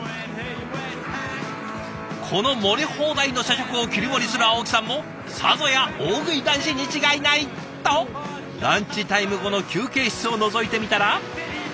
この盛り放題の社食を切り盛りする青木さんもさぞや大食い男子に違いないとランチタイム後の休憩室をのぞいてみたら。